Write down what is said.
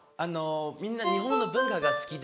みんな日本の文化が好きで。